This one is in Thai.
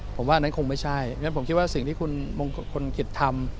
ผมว่าอันนั้นคงไม่ใช่งั้นผมคิดว่าสิ่งที่คุณมงคลกิจทำ